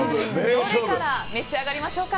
どれから召し上がりましょうか。